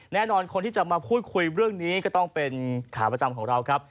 แน่นอนคนที่จะมาพูดคุยเรื่องนี้ก็ต้องเป็นขาประจำของเราครับ